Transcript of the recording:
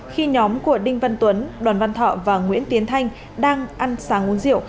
khi nhóm của đinh văn tuấn đoàn văn thọ và nguyễn tiến thanh đang ăn sáng uống rượu